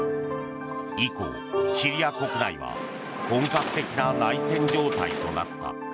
以降、シリア国内は本格的な内戦状態となった。